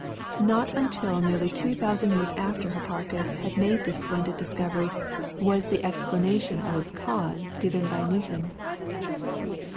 Not until nearly two thousand years after Hipparchus had made this splendid discovery was the explanation of its cause given by Newton.